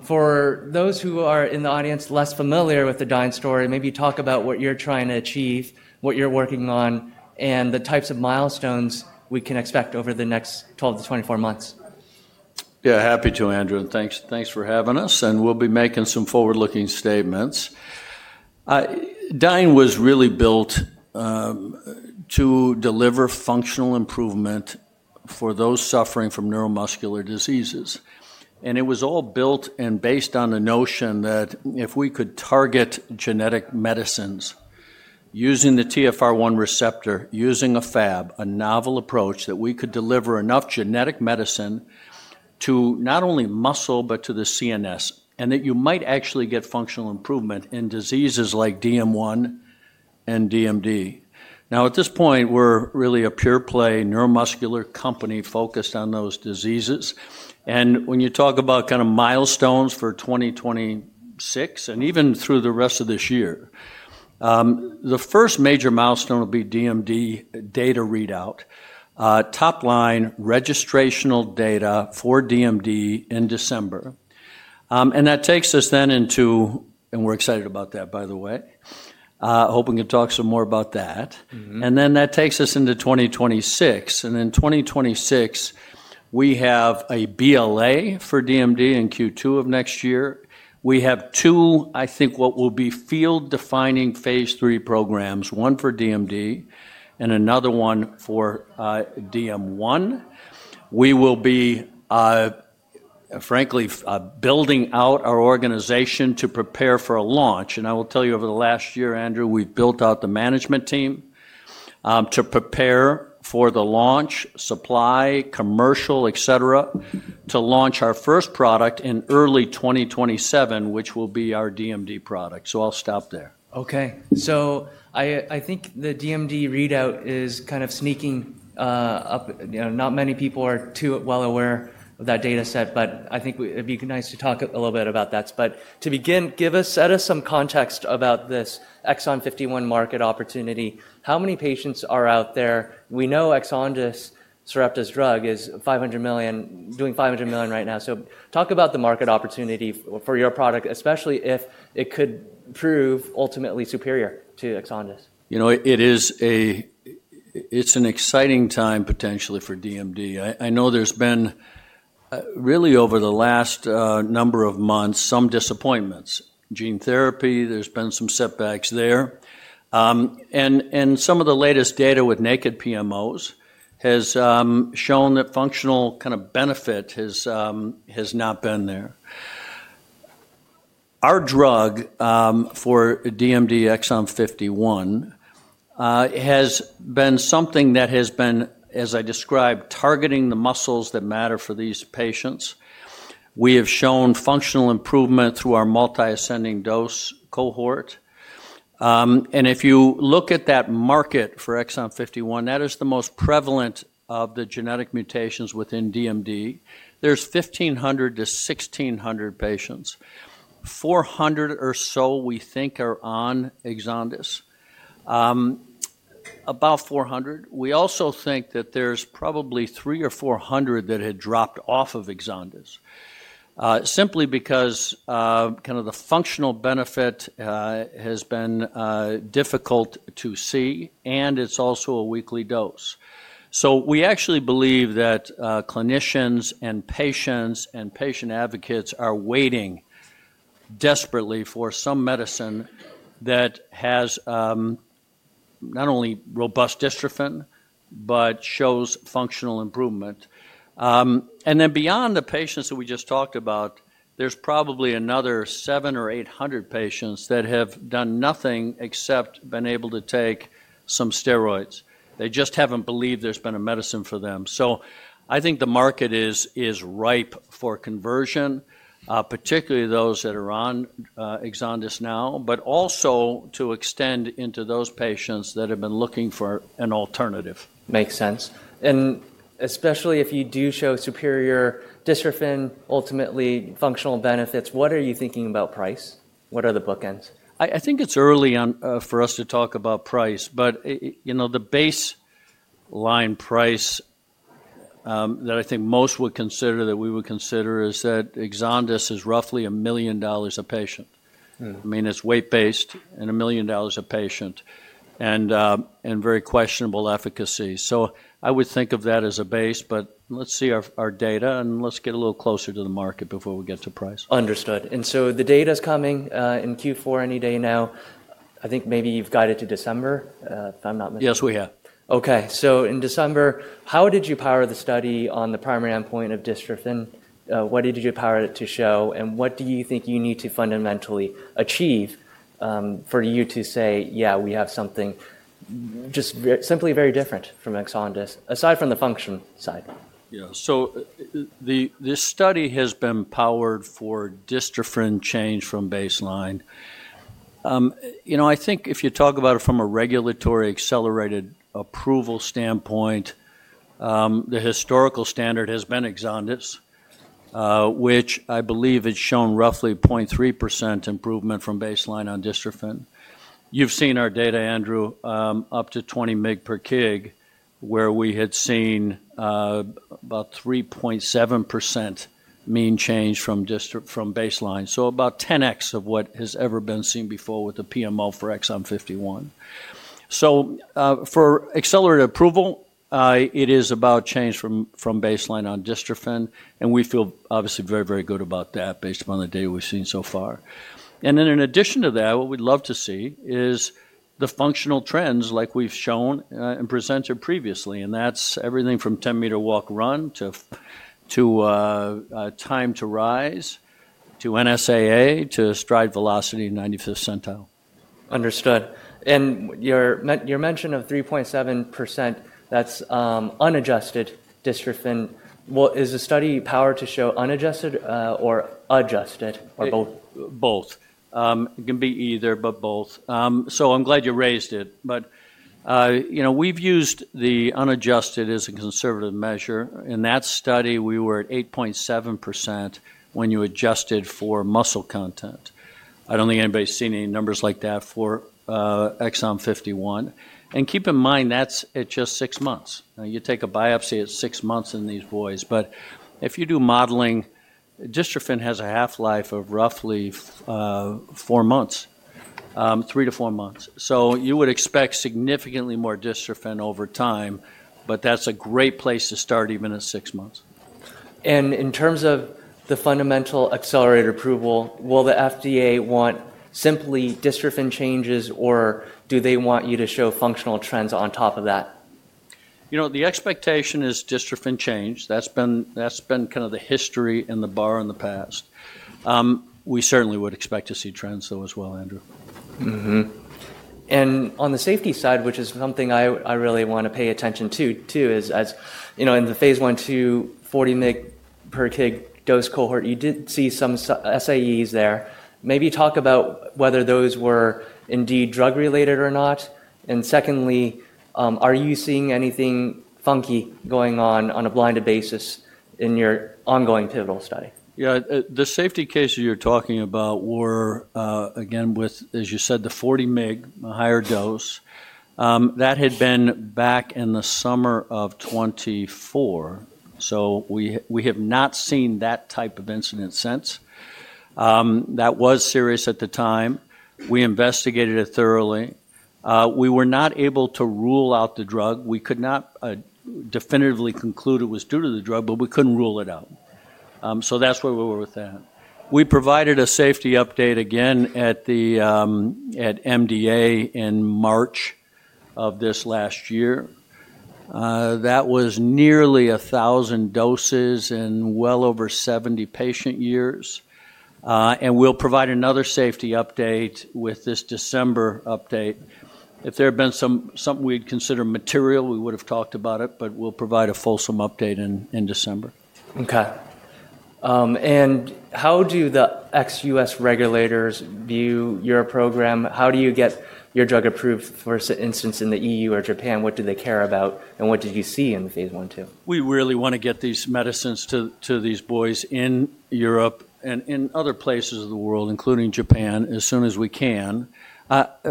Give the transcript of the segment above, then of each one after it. For those who are in the audience less familiar with the Dyne story, maybe talk about what you're trying to achieve, what you're working on, and the types of milestones we can expect over the next 12 to 24 months. Yeah, happy to, Andrew. Thanks for having us, and we'll be making some forward-looking statements. Dyne was really built to deliver functional improvement for those suffering from neuromuscular diseases. It was all built and based on the notion that if we could target genetic medicines using the TFR1 receptor, using a Fab, a novel approach, that we could deliver enough genetic medicine to not only muscle, but to the CNS, and that you might actually get functional improvement in diseases like DM1 and DMD. Now, at this point, we're really a pure-play neuromuscular company focused on those diseases. When you talk about kind of milestones for 2026 and even through the rest of this year, the first major milestone will be DMD data readout, top-line registrational data for DMD in December. That takes us then into, and we're excited about that, by the way. Hope we can talk some more about that. That takes us into 2026. In 2026, we have a BLA for DMD in Q2 of next year. We have two, I think, what will be field-defining phase three programs, one for DMD and another one for DM1. We will be, frankly, building out our organization to prepare for a launch. I will tell you, over the last year, Andrew, we've built out the management team to prepare for the launch, supply, commercial, et cetera, to launch our first product in early 2027, which will be our DMD product. I'll stop there. Okay. I think the DMD readout is kind of sneaking up. Not many people are too well aware of that data set, but I think it'd be nice to talk a little bit about that. To begin, set us some context about this exon 51 market opportunity. How many patients are out there? We know Exondys 51, Sarepta's drug, is $500 million, doing $500 million right now. Talk about the market opportunity for your product, especially if it could prove ultimately superior to Exondys 51. You know, it's an exciting time potentially for DMD. I know there's been really, over the last number of months, some disappointments. Gene therapy, there's been some setbacks there. And some of the latest data with naked PMOs has shown that functional kind of benefit has not been there. Our drug for DMD, exon 51, has been something that has been, as I described, targeting the muscles that matter for these patients. We have shown functional improvement through our multi-ascending dose cohort. If you look at that market for exon 51, that is the most prevalent of the genetic mutations within DMD. There are 1,500-1,600 patients. Four hundred or so, we think, are on Exondys 51. About 400. We also think that there's probably 300 or 400 that had dropped off of Exondys 51 simply because kind of the functional benefit has been difficult to see, and it's also a weekly dose. We actually believe that clinicians and patients and patient advocates are waiting desperately for some medicine that has not only robust dystrophin, but shows functional improvement. Beyond the patients that we just talked about, there's probably another 700 or 800 patients that have done nothing except been able to take some steroids. They just haven't believed there's been a medicine for them. I think the market is ripe for conversion, particularly those that are on Exondys 51 now, but also to extend into those patients that have been looking for an alternative. Makes sense. Especially if you do show superior dystrophin, ultimately functional benefits, what are you thinking about price? What are the bookends? I think it's early for us to talk about price, but you know the baseline price that I think most would consider that we would consider is that Exondys 51 is roughly $1 million a patient. I mean, it's weight-based and $1 million a patient and very questionable efficacy. I would think of that as a base, but let's see our data and let's get a little closer to the market before we get to price. Understood. The data's coming in Q4 any day now. I think maybe you've got it to December, if I'm not mistaken. Yes, we have. Okay. In December, how did you power the study on the primary endpoint of dystrophin? What did you power it to show? What do you think you need to fundamentally achieve for you to say, yeah, we have something just simply very different from Exondys 51, aside from the function side? Yeah. So this study has been powered for dystrophin change from baseline. You know, I think if you talk about it from a regulatory accelerated approval standpoint, the historical standard has been Exondys 51, which I believe has shown roughly 0.3% improvement from baseline on dystrophin. You've seen our data, Andrew, up to 20 mg per kg, where we had seen about 3.7% mean change from baseline. So about 10x of what has ever been seen before with the PMO for exon 51. For accelerated approval, it is about change from baseline on dystrophin. We feel obviously very, very good about that based upon the data we've seen so far. In addition to that, what we'd love to see is the functional trends like we've shown and presented previously. That's everything from 10-meter walk run to time to rise, to NSAA, to stride velocity 95th centile. Understood. Your mention of 3.7%, that's unadjusted dystrophin. Is the study powered to show unadjusted or adjusted or both? Both. It can be either, but both. I'm glad you raised it. You know, we've used the unadjusted as a conservative measure. In that study, we were at 8.7% when you adjusted for muscle content. I don't think anybody's seen any numbers like that for exon 51. Keep in mind, that's at just six months. You take a biopsy at six months in these boys. If you do modeling, dystrophin has a half-life of roughly three to four months. You would expect significantly more dystrophin over time, but that's a great place to start even at six months. In terms of the fundamental accelerated approval, will the FDA want simply dystrophin changes, or do they want you to show functional trends on top of that? You know, the expectation is dystrophin change. That's been kind of the history and the bar in the past. We certainly would expect to see trends though as well, Andrew. On the safety side, which is something I really want to pay attention to, too, is you know in the phase I/II 40 mg per kg dose cohort, you did see some SAEs there. Maybe talk about whether those were indeed drug-related or not. Secondly, are you seeing anything funky going on on a blinded basis in your ongoing pivotal study? Yeah. The safety cases you're talking about were, again, with, as you said, the 40 mg, a higher dose. That had been back in the summer of 2024. We have not seen that type of incident since. That was serious at the time. We investigated it thoroughly. We were not able to rule out the drug. We could not definitively conclude it was due to the drug, but we could not rule it out. That is where we were with that. We provided a safety update again at MDA in March of this last year. That was nearly 1,000 doses in well over 70 patient years. We will provide another safety update with this December update. If there had been something we would consider material, we would have talked about it, but we will provide a fulsome update in December. Okay. And how do the ex-U.S. regulators view your program? How do you get your drug approved, for instance, in the EU or Japan? What do they care about? What did you see in phase one, two? We really want to get these medicines to these boys in Europe and in other places of the world, including Japan, as soon as we can.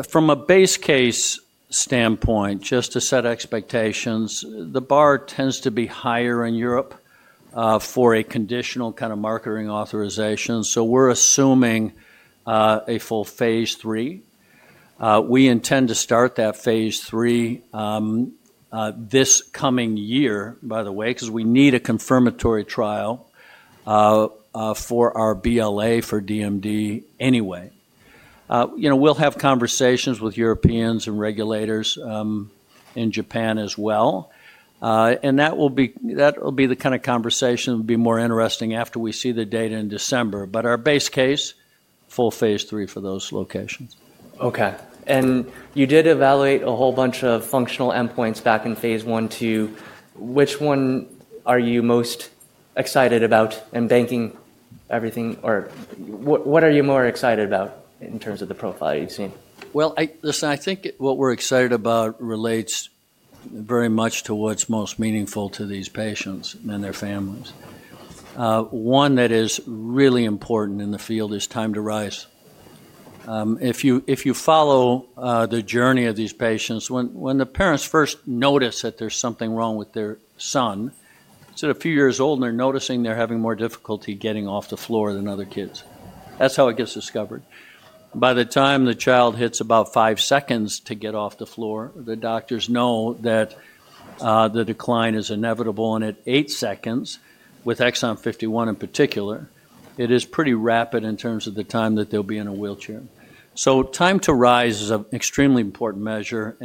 From a base case standpoint, just to set expectations, the bar tends to be higher in Europe for a conditional kind of marketing authorization. So we're assuming a full phase three. We intend to start that phase three this coming year, by the way, because we need a confirmatory trial for our BLA for DMD anyway. You know, we'll have conversations with Europeans and regulators in Japan as well. And that will be the kind of conversation that will be more interesting after we see the data in December. But our base case, full phase three for those locations. Okay. You did evaluate a whole bunch of functional endpoints back in phase one, two. Which one are you most excited about and banking everything? Or what are you more excited about in terms of the profile you've seen? I think what we're excited about relates very much to what's most meaningful to these patients and their families. One that is really important in the field is time to rise. If you follow the journey of these patients, when the parents first notice that there's something wrong with their son, it's at a few years old and they're noticing they're having more difficulty getting off the floor than other kids. That's how it gets discovered. By the time the child hits about five seconds to get off the floor, the doctors know that the decline is inevitable. At eight seconds, with exon 51 in particular, it is pretty rapid in terms of the time that they'll be in a wheelchair. Time to rise is an extremely important measure.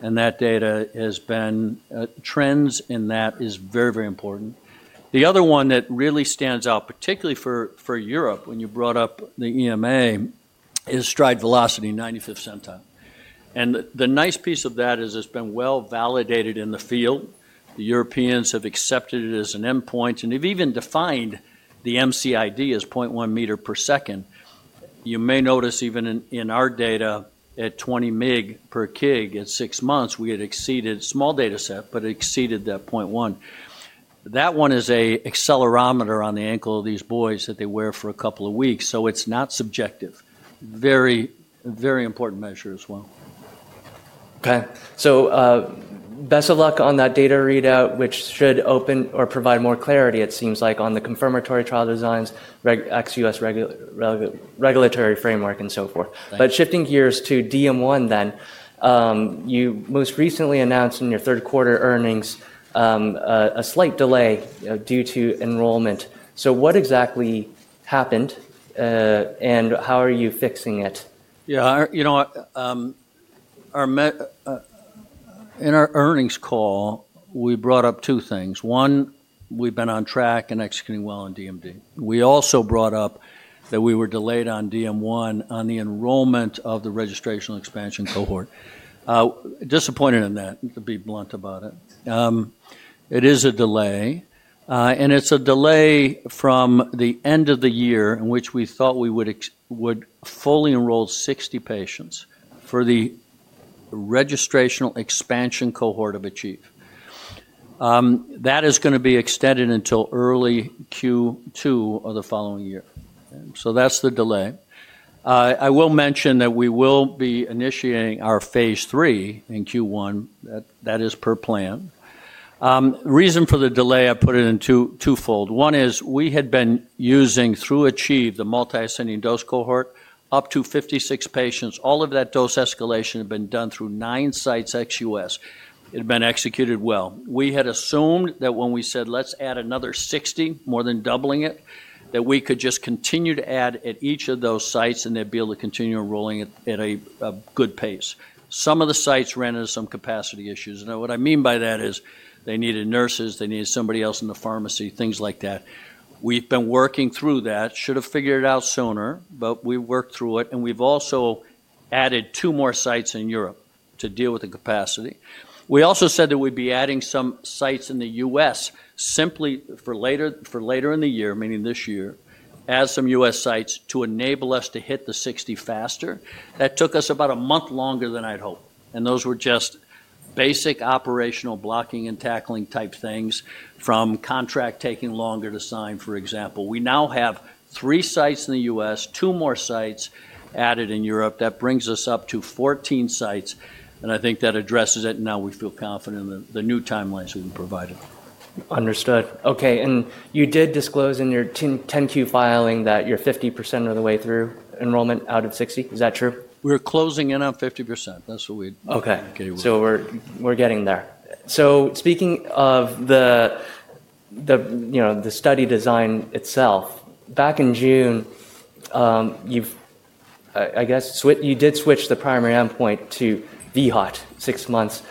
That data has been, trends in that is very, very important. The other one that really stands out, particularly for Europe, when you brought up the EMA, is stride velocity 95th centile. The nice piece of that is it's been well validated in the field. The Europeans have accepted it as an endpoint, and they've even defined the MCID as 0.1 m per second. You may notice even in our data at 20 mg per kg at six months, we had exceeded, small data set, but it exceeded that 0.1. That one is an accelerometer on the ankle of these boys that they wear for a couple of weeks. It is not subjective. Very, very important measure as well. Okay. Best of luck on that data readout, which should open or provide more clarity, it seems like, on the confirmatory trial designs, ex-U.S. regulatory framework and so forth. Shifting gears to DM1 then, you most recently announced in your third quarter earnings a slight delay due to enrollment. What exactly happened and how are you fixing it? Yeah. You know, in our earnings call, we brought up two things. One, we've been on track and executing well on DMD. We also brought up that we were delayed on DM1 on the enrollment of the Registrational Expansion Cohort. Disappointed in that, to be blunt about it. It is a delay. And it's a delay from the end of the year in which we thought we would fully enroll 60 patients for the Registrational Expansion Cohort of ACHIEVE. That is going to be extended until early Q2 of the following year. So that's the delay. I will mention that we will be initiating our phase III in Q1. That is per plan. Reason for the delay, I put it in twofold. One is we had been using through ACHIEVE, the multi-ascending dose cohort, up to 56 patients. All of that dose escalation had been done through nine sites, ex-U.S. It had been executed well. We had assumed that when we said, let's add another 60, more than doubling it, that we could just continue to add at each of those sites and they'd be able to continue enrolling at a good pace. Some of the sites ran into some capacity issues. What I mean by that is they needed nurses, they needed somebody else in the pharmacy, things like that. We've been working through that. Should have figured it out sooner, but we worked through it. We've also added two more sites in Europe to deal with the capacity. We also said that we'd be adding some sites in the U.S. simply for later in the year, meaning this year, as some U.S. sites to enable us to hit the 60 faster. That took us about a month longer than I'd hoped. Those were just basic operational blocking and tackling type things from contract taking longer to sign, for example. We now have three sites in the U.S., two more sites added in Europe. That brings us up to 14 sites. I think that addresses it. We feel confident in the new timelines we've been provided. Understood. Okay. You did disclose in your 10-Q filing that you're 50% of the way through enrollment out of 60. Is that true? We're closing in on 50%. That's what we've been working towards. Okay. We're getting there. Speaking of the study design itself, back in June, I guess you did switch the primary endpoint to vHOT at six months.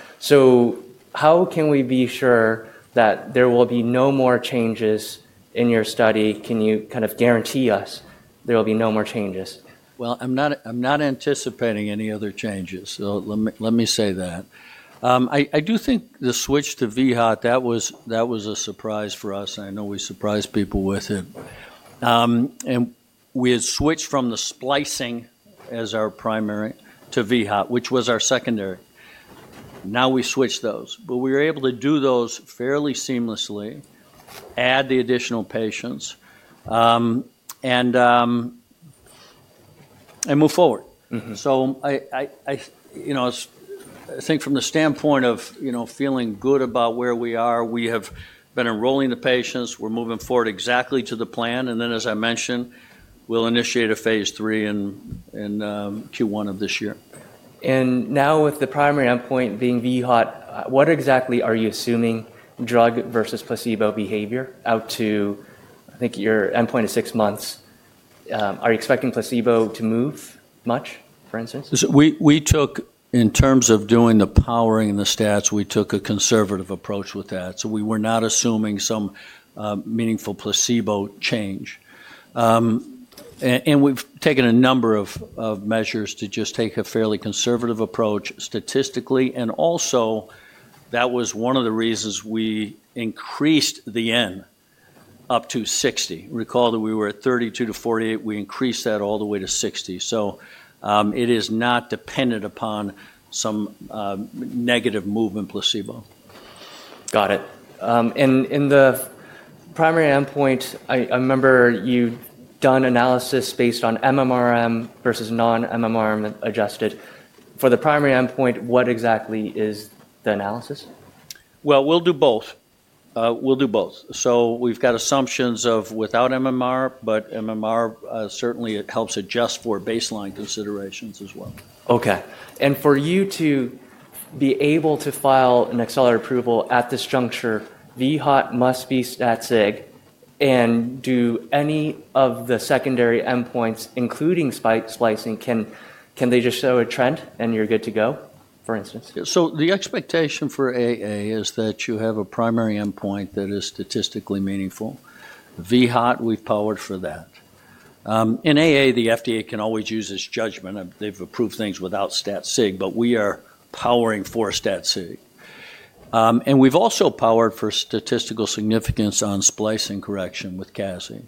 How can we be sure that there will be no more changes in your study? Can you kind of guarantee us there will be no more changes? I'm not anticipating any other changes. Let me say that. I do think the switch to vHOT, that was a surprise for us. I know we surprised people with it. We had switched from the splicing as our primary to vHOT, which was our secondary. Now we switched those. We were able to do those fairly seamlessly, add the additional patients, and move forward. I think from the standpoint of feeling good about where we are, we have been enrolling the patients. We're moving forward exactly to the plan. As I mentioned, we'll initiate a phase III in Q1 of this year. Now with the primary endpoint being vHOT, what exactly are you assuming drug versus placebo behavior out to, I think your endpoint is six months? Are you expecting placebo to move much, for instance? We took, in terms of doing the powering and the stats, we took a conservative approach with that. We were not assuming some meaningful placebo change. We have taken a number of measures to just take a fairly conservative approach statistically. And also that was one of the reasons we increase the N up to 60. Recorded we were 30 to 40 we increase it all the way up to 60. So it is not depended upon some negative move in placebo. Got it. In the primary endpoint, I remember you've done analysis based on MMRM versus non-MMRM adjusted. For the primary endpoint, what exactly is the analysis? We'll do both. We'll do both. We've got assumptions of without MMR, but MMR certainly helps adjust for baseline considerations as well. Okay. And for you to be able to file an accelerated approval at this juncture, vHOT must be stat-sig and do any of the secondary endpoints, including splicing, can they just show a trend and you're good to go, for instance? The expectation for AA is that you have a primary endpoint that is statistically meaningful. vHOT, we've powered for that. In AA, the FDA can always use its judgment. They've approved things without stat-sig, but we are powering for stat-sig. We've also powered for statistical significance on splicing correction with CASI.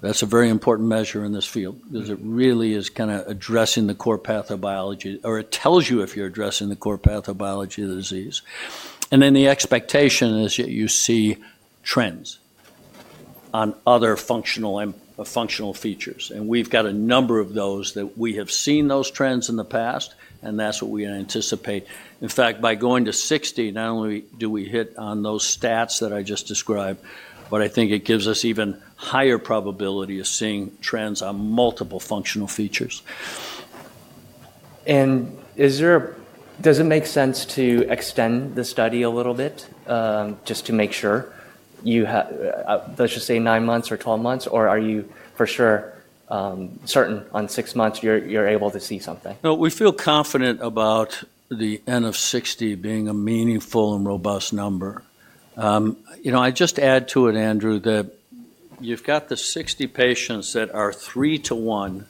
That's a very important measure in this field because it really is kind of addressing the core pathobiology, or it tells you if you're addressing the core pathobiology of the disease. The expectation is that you see trends on other functional features. We've got a number of those that we have seen those trends in the past, and that's what we anticipate. In fact, by going to 60, not only do we hit on those stats that I just described, but I think it gives us even higher probability of seeing trends on multiple functional features. Does it make sense to extend the study a little bit just to make sure you have, let's just say, nine months or 12 months, or are you for sure certain on six months you're able to see something? No, we feel confident about the N of 60 being a meaningful and robust number. You know, I just add to it, Andrew, that you've got the 60 patients that are three to one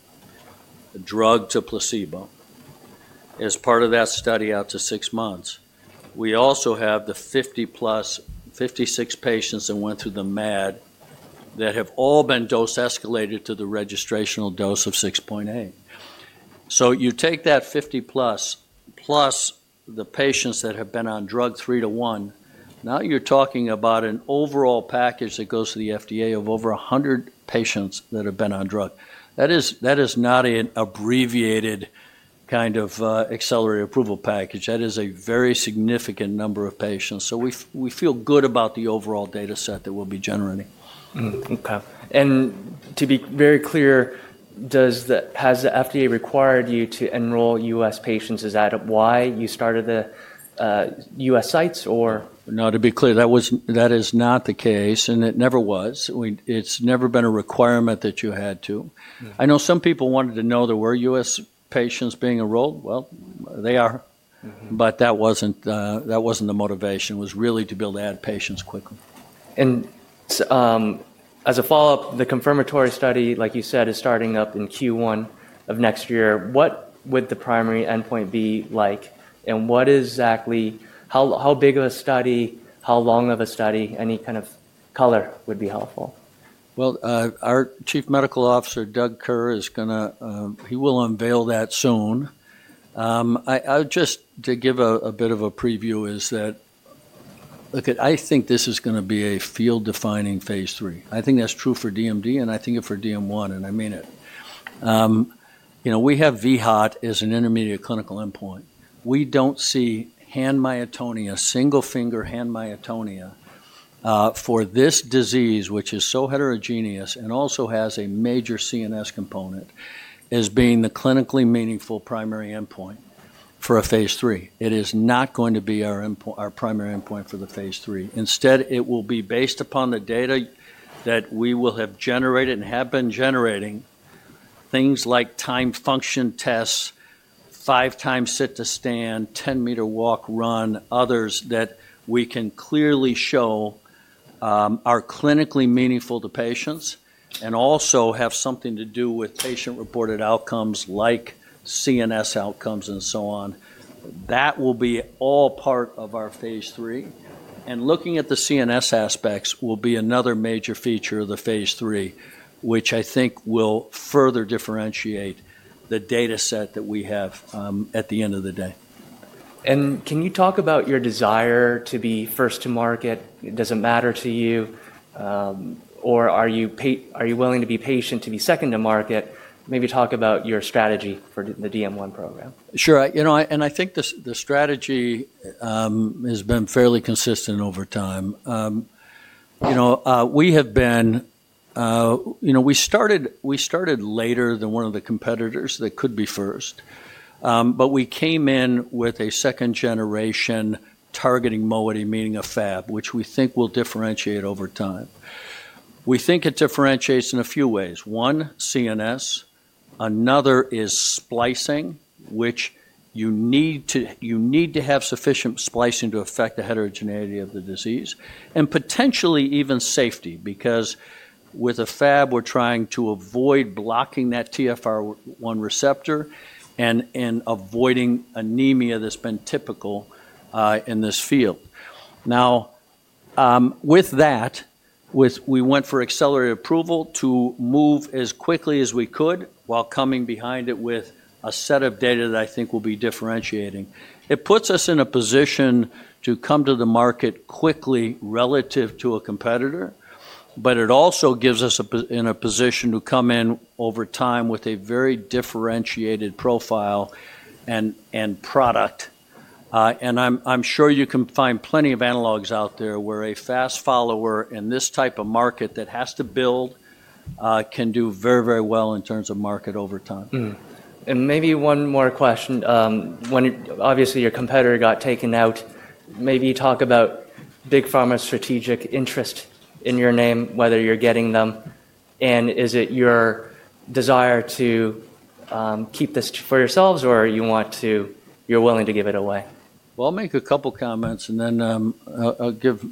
drug to placebo as part of that study out to six months. We also have the 50 plus, 56 patients that went through the MAD that have all been dose escalated to the registrational dose of 6.8. So you take that 50 plus plus the patients that have been on drug three to one, now you're talking about an overall package that goes to the FDA of over 100 patients that have been on drug. That is not an abbreviated kind of accelerated approval package. That is a very significant number of patients. So we feel good about the overall data set that we'll be generating. Okay. To be very clear, has the FDA required you to enroll U.S. patients? Is that why you started the U.S. sites or? No, to be clear, that is not the case. It never was. It's never been a requirement that you had to. I know some people wanted to know there were US patients being enrolled. They are. That wasn't the motivation. It was really to be able to add patients quickly. As a follow-up, the confirmatory study, like you said, is starting up in Q1 of next year. What would the primary endpoint be like? What exactly, how big of a study, how long of a study, any kind of color would be helpful? Our Chief Medical Officer, Doug Kerr, is going to, he will unveil that soon. Just to give a bit of a preview is that, look, I think this is going to be a field-defining phase three. I think that's true for DMD, and I think it for DM1, and I mean it. You know, we have vHOT as an intermediate clinical endpoint. We don't see hand myotonia, single-finger hand myotonia for this disease, which is so heterogeneous and also has a major CNS component as being the clinically meaningful primary endpoint for a phase three. It is not going to be our primary endpoint for the phase three. Instead, it will be based upon the data that we will have generated and have been generating, things like time function tests, five-time sit-to-stand, 10-meter walk-run, others that we can clearly show are clinically meaningful to patients and also have something to do with patient-reported outcomes like CNS outcomes and so on. That will be all part of our phase three. Looking at the CNS aspects will be another major feature of the phase three, which I think will further differentiate the data set that we have at the end of the day. Can you talk about your desire to be first to market? Does it matter to you? Are you willing to be patient to be second to market? Maybe talk about your strategy for the DM1 program. Sure. You know, and I think the strategy has been fairly consistent over time. You know, we have been, you know, we started later than one of the competitors that could be first. But we came in with a second-generation targeting moiety, meaning a Fab, which we think will differentiate over time. We think it differentiates in a few ways. One, CNS. Another is splicing, which you need to have sufficient splicing to affect the heterogeneity of the disease and potentially even safety because with a Fab, we're trying to avoid blocking that TFR1 receptor and avoiding anemia that's been typical in this field. Now, with that, we went for accelerated approval to move as quickly as we could while coming behind it with a set of data that I think will be differentiating. It puts us in a position to come to the market quickly relative to a competitor, but it also gives us a position to come in over time with a very differentiated profile and product. I'm sure you can find plenty of analogs out there where a fast follower in this type of market that has to build can do very, very well in terms of market over time. Maybe one more question. Obviously, your competitor got taken out. Maybe you talk about big pharma's strategic interest in your name, whether you're getting them. Is it your desire to keep this for yourselves or you want to, you're willing to give it away? I will make a couple of comments and then I will give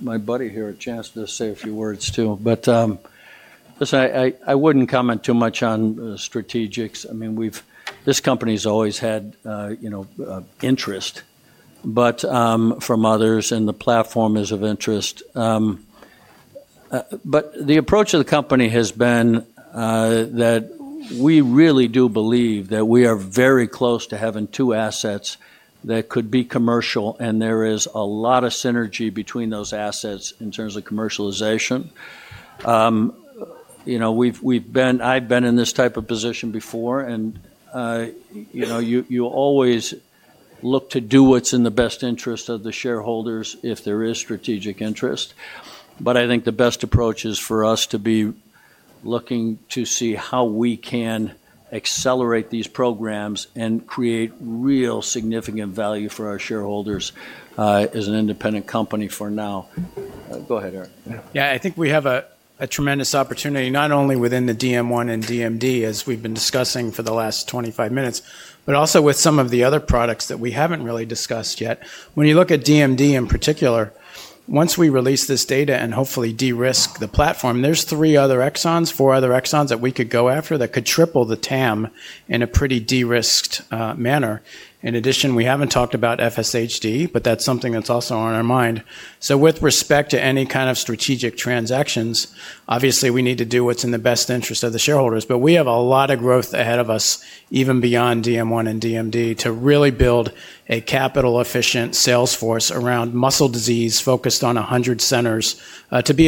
my buddy here a chance to say a few words too. Listen, I would not comment too much on strategics. I mean, this company has always had interest from others and the platform is of interest. The approach of the company has been that we really do believe that we are very close to having two assets that could be commercial. There is a lot of synergy between those assets in terms of commercialization. You know, I have been in this type of position before. You always look to do what is in the best interest of the shareholders if there is strategic interest. I think the best approach is for us to be looking to see how we can accelerate these programs and create real significant value for our shareholders as an independent company for now. Go ahead, Erick. Yeah, I think we have a tremendous opportunity not only within the DM1 and DMD, as we've been discussing for the last 25 minutes, but also with some of the other products that we haven't really discussed yet. When you look at DMD in particular, once we release this data and hopefully de-risk the platform, there's three other exons, four other exons that we could go after that could triple the TAM in a pretty de-risked manner. In addition, we haven't talked about FSHD, but that's something that's also on our mind. With respect to any kind of strategic transactions, obviously we need to do what's in the best interest of the shareholders. We have a lot of growth ahead of us, even beyond DM1 and DMD, to really build a capital-efficient sales force around muscle disease focused on 100 centers to be.